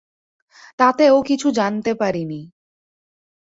তাতেও কিছু জানতে পারিনি।